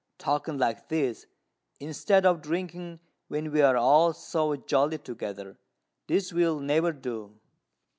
talking like this, instead of drinking when we're all so jolly together; this will never do."